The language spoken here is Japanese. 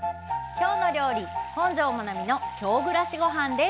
「きょうの料理」「本上まなみの京暮らしごはん」です。